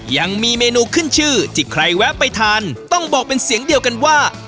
ยังมีเมนูขึ้นชื่อที่ใครแวะไปทานต้องบอกเป็นเสียงเดียวกันว่า